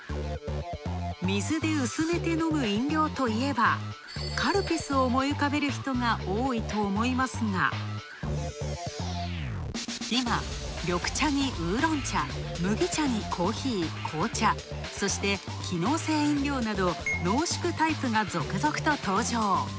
水で薄めて飲む飲料といえばカルピスを思い浮かべる人が多いと思いますが、いま、緑茶にウーロン茶、麦茶にコーヒー、紅茶、そして機能性飲料など濃縮タイプが続々と登場。